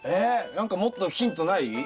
何かもっとヒントない？